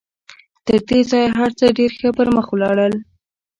تر دې ځایه هر څه ډېر ښه پر مخ ولاړل